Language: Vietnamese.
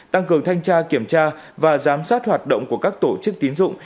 tăng cường thanh tra kiểm tra và giám sát hoạt động của các tổ chức tín dụng